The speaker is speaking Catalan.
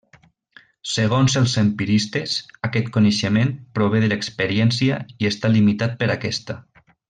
Segons els empiristes, aquest coneixement prové de l'experiència i està limitat per aquesta.